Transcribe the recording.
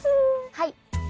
はい！